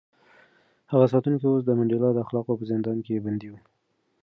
هغه ساتونکی اوس د منډېلا د اخلاقو په زندان کې بندي و.